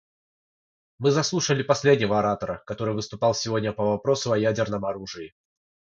Мы заслушали последнего оратора, который выступал сегодня по вопросу о ядерном оружии.